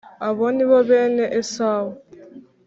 Abo ni bo bene esawu